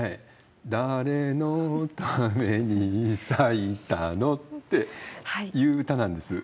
誰のために咲いたの？っていう歌です。